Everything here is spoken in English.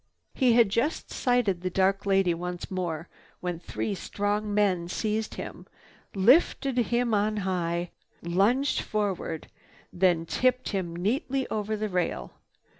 He had just sighted the dark lady once more when three strong men seized him, lifted him on high, lunged forward, then tipped him neatly over the rail.